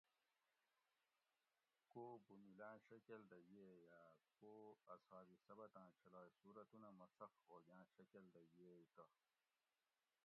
کو بُومیلاۤں شکل دہ ییگا کو اصحابِ سبتاں چھلائے صُورتونہ مسخ ھوگاۤں شکۤل دہ ییگ تہ